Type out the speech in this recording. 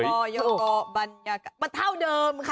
ก็บรรยากาศมันเท่าเดิมค่ะ